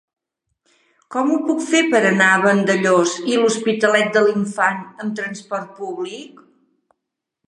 Com ho puc fer per anar a Vandellòs i l'Hospitalet de l'Infant amb trasport públic?